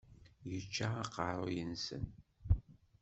Yečča aqerruy-nsen.